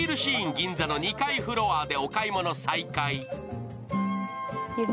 銀座の２階フロアでお買い物再開。